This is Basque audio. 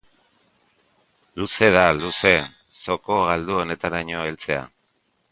Luze da, luze, zoko galdu honetaraino heltzea.